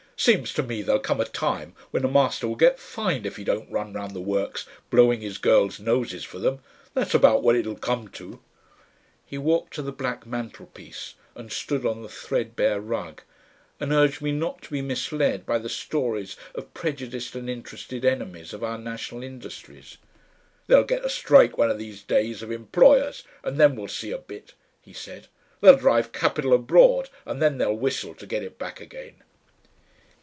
"Seems to me there'll come a time when a master will get fined if he don't run round the works blowing his girls noses for them. That's about what it'll come to." He walked to the black mantelpiece and stood on the threadbare rug, and urged me not to be misled by the stories of prejudiced and interested enemies of our national industries. "They'll get a strike one of these days, of employers, and then we'll see a bit," he said. "They'll drive Capital abroad and then they'll whistle to get it back again."...